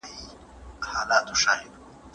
بریا ستاسو ده.